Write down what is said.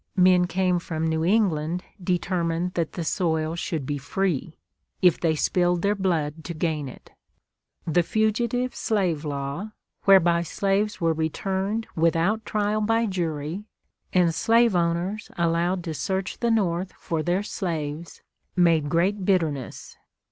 Men came from New England determined that the soil should be free, if they spilled their blood to gain it. The Fugitive Slave Law, whereby slaves were returned without trial by jury, and slave owners allowed to search the North for their slaves, made great bitterness.